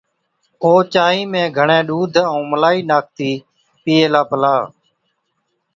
او چانهِي ۾ گھڻَي ڏُوڌ ائُون ملائِي ناکتِي پِيئي هِلا پلا